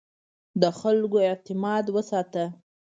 د خلکو اعتماد وساته.